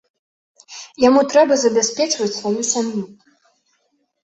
Яму трэба забяспечваць сваю сям'ю.